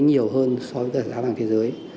nhiều hơn so với giá vàng thế giới